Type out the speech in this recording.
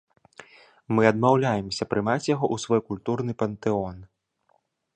Мы адмаўляемся прымаць яго ў свой культурны пантэон!